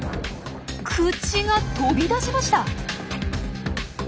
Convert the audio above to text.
口が飛び出しました。